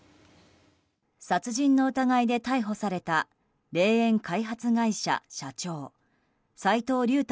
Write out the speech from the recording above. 殺人の疑いで逮捕された霊園開発会社社長齋藤竜太